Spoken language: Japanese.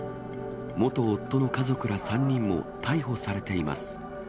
元夫の家族ら３人も逮捕されています。